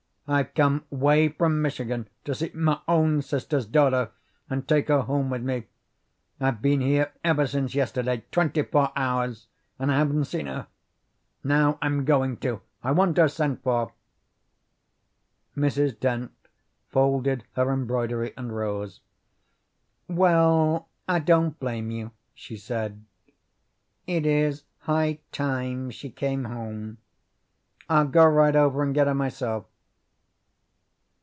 "I've come 'way from Michigan to see my own sister's daughter and take her home with me. I've been here ever since yesterday twenty four hours and I haven't seen her. Now I'm going to. I want her sent for." Mrs. Dent folded her embroidery and rose. "Well, I don't blame you," she said. "It is high time she came home. I'll go right over and get her myself."